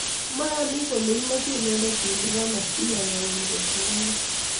Mayani kole imeche inendet ilipana si ayauni kosir ake